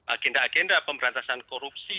agenda agenda pemberantasan korupsi